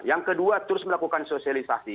yang kedua terus melakukan sosialisasi